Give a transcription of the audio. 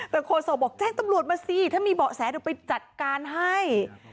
แต่โฆษกบอกแจ้งตำรวจมาสิถ้ามีเบาะแสเดี๋ยวไปจัดการให้